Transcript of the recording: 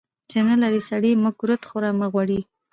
چی نلرې سړي ، مه کورت خوره مه غوړي .